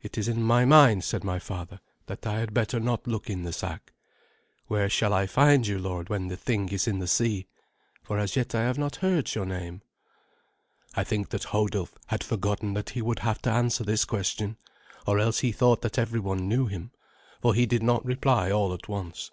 "It is in my mind," said my father, "that I had better not look in the sack. Where shall I find you, lord, when the thing is in the sea? For as yet I have not heard your name." I think that Hodulf had forgotten that he would have to answer this question, or else he thought that everyone knew him, for he did not reply all at once.